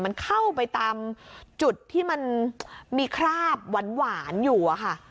มันเข้าไปตามจุดที่มันมีคราบหวานอยู่อะค่ะ